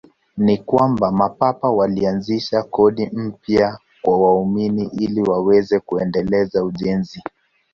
Ni kwamba Mapapa walianzisha kodi mpya kwa waumini ili waweze kuendeleza ujenzi.